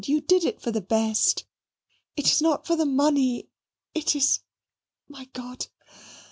You did it for the best. It is not for the money it is my God!